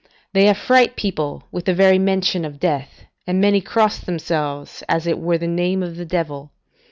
They affright people with the very mention of death, and many cross themselves, as it were the name of the devil.